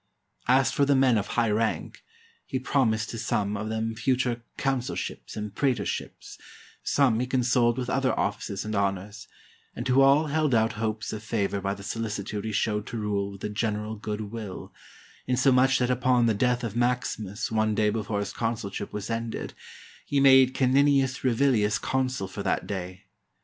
As for the men of high rank, he promised to some of them future consulships and praetorships, some he con soled with other offices and honors, and to all held out hopes of favor by the solicitude he showed to rule with the general good will; insomuch that upon the death of Maximus one day before his consulship was ended, he made Caninius ReviHus consul for that day.